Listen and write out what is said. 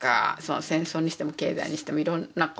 戦争にしても経済にしてもいろんなことがあって。